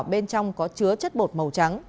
bên trong có chứa chất bột màu trắng